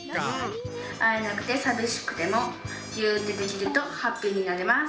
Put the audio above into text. あえなくてさびしくてもギューッてできるとハッピーになれます。